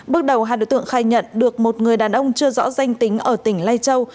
bước đầu hai đối tượng khai nhận được một người đàn ông chưa rõ danh tính ở tỉnh lai châu